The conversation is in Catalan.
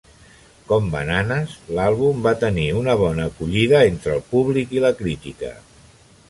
Com "Bananas", l'àlbum va tenir una bona acollida entre el públic i la crítica.